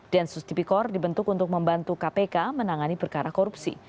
densus tipikor dibentuk untuk membantu kpk menangani perkara korupsi